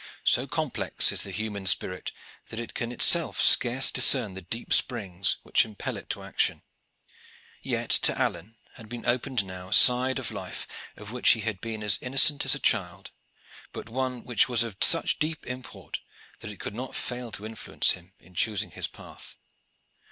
So complex is the human spirit that it can itself scarce discern the deep springs which impel it to action. Yet to Alleyne had been opened now a side of life of which he had been as innocent as a child, but one which was of such deep import that it could not fail to influence him in choosing his path.